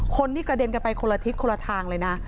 คนนี้กระเด็นกันไปคนละทิศคนละทางเลยนะ